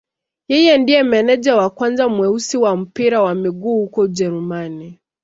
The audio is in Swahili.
Yeye ndiye meneja wa kwanza mweusi wa mpira wa miguu huko Ujerumani.